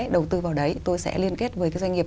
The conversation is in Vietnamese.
đầu tư vào đấy tôi sẽ liên kết với cái doanh nghiệp